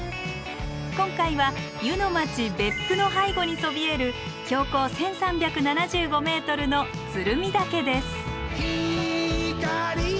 今回は湯の街別府の背後にそびえる標高１，３７５ｍの鶴見岳です。